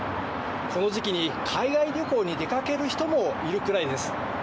この時期に海外旅行に出かける人もいるくらいです。